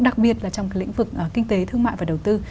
đặc biệt là trong cái lĩnh vực kinh tế thương mại và đầu tư